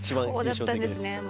そうだったんですね。